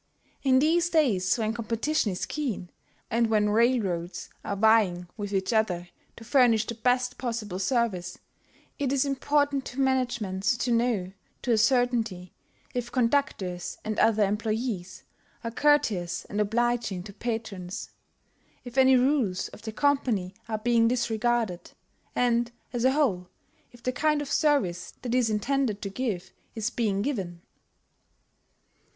In these days when competition is keen, and when railroads are vying with each other to furnish the best possible service, it is important to managements to know to a certainty if conductors and other employees are courteous and obliging to patrons, if any rules of the company are being disregarded, and, as a whole, if the kind of service that it is intended to give is being given.